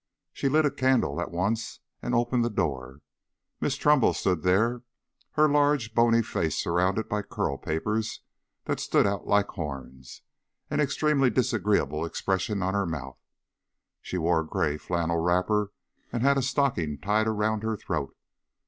She lit a candle at once and opened the door. Miss Trumbull stood there, her large bony face surrounded by curl papers that stood out like horns, and an extremely disagreeable expression on her mouth. She wore a grey flannel wrapper and had a stocking tied round her throat.